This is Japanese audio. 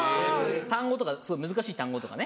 単語とか難しい単語とかね。